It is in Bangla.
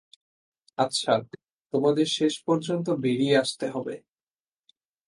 আচ্ছা, তোমাদের শেষ পর্যন্ত বেরিয়ে আসতে হবে।